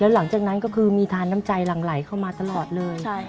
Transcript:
หลังจากนั้นก็คือมีทานน้ำใจหลังไหลเข้ามาตลอดเลย